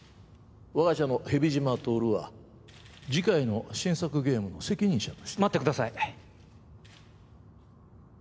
我が社の蛇島透は次回の新作ゲームの責任者として待ってください